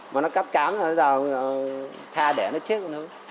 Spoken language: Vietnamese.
mà nó cắt cám rồi bây giờ thà để nó chết